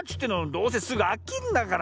どうせすぐあきんだから。